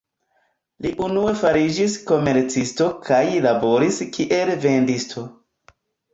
Li unue fariĝis komercisto kaj laboris kiel vendisto.